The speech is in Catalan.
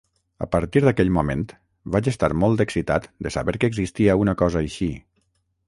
A partir d'aquell moment, vaig estar molt excitat de saber que existia una cosa així.